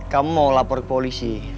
kamu mau lapor ke polisi